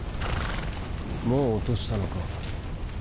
もう落としたのか。